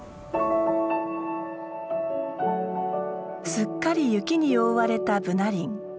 すっかり雪に覆われたブナ林。